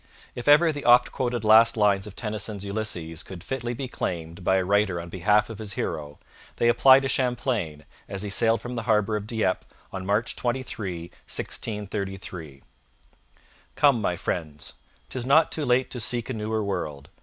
If ever the oft quoted last lines of Tennyson's Ulysses could fitly be claimed by a writer on behalf of his hero, they apply to Champlain as he sailed from the harbour of Dieppe on March 23, 1633. Come, my friends, 'Tis not too late to seek a newer world.